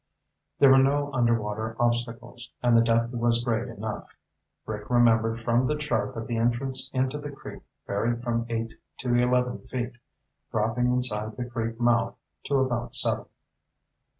There were no underwater obstacles, and the depth was great enough. Rick remembered from the chart that the entrance into the creek varied from eight to eleven feet, dropping inside the creek mouth to about seven.